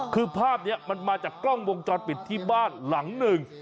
คือภาพนี้มันมาจากกล้องวงจรปิดที่บ้านหลังหนึ่ง